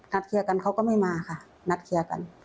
เคลียร์กันเขาก็ไม่มาค่ะนัดเคลียร์กัน